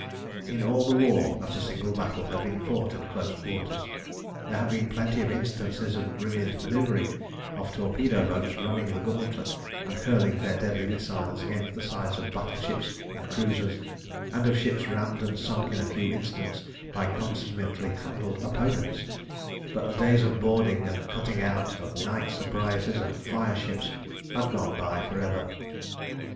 In all the war not a single battle had been fought at close quarters; there had been plenty of instances of brilliant manœuvring, of torpedo boats running the gauntlet and hurling their deadly missiles against the sides of battleships and cruisers, and of ships rammed and sunk in a few instants by consummately handled opponents; but the days of boarding and cutting out, of night surprises and fire ships, had gone by for ever.